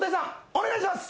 お願いします。